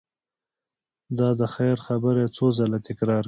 دا د خیر خبره یې څو ځل تکرار کړه.